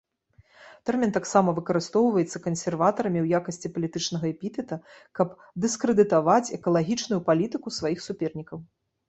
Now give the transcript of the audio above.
Тэрмін таксама выкарыстоўваецца кансерватарамі ў якасці палітычнага эпітэта, каб дыскрэдытаваць экалагічную палітыку сваіх супернікаў.